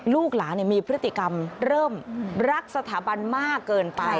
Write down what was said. ลูกหลานมีพฤติกรรมเริ่มรักสถาบันมากเกินไป